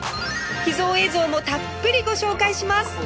秘蔵映像もたっぷりご紹介します